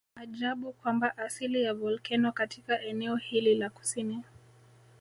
Ajabu kwamba asili ya volkeno katika eneo hili la kusini